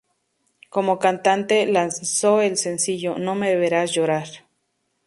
Como cantante, lanzó el sencillo "No me verás llorar".